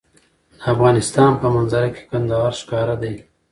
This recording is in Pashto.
د افغانستان په منظره کې کندهار ښکاره دی.